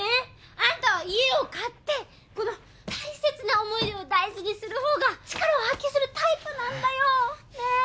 アンタは家を買ってこの大切な思い出を大事にするほうが力を発揮するタイプなんだよねぇ！